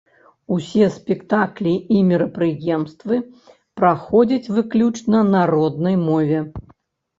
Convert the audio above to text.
Усе спектаклі і мерапрыемствы праходзяць выключна на роднай мове.